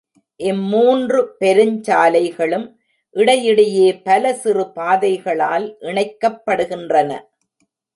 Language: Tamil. இம்மூன்று பெருஞ்சாலைகளும், இடையிடையே பல சிறு பாதைகளால் இணைக்கப்படுகின்றன.